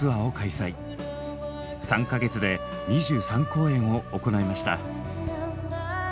３か月で２３公演を行いました。